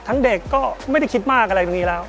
เด็กก็ไม่ได้คิดมากอะไรตรงนี้แล้ว